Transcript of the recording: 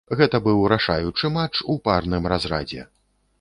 Гэта быў рашаючы матч у парным разрадзе.